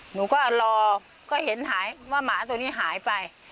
หนูก็รอก็เห็นหายว่าหมาตัวนี้หายไป